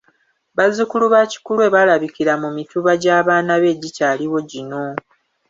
Bazzukulu ba Kikulwe balabikira mu Mituba gy'abaana be egikyaliwo gino.